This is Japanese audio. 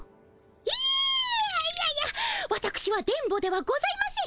ええいやいやわたくしは電ボではございません。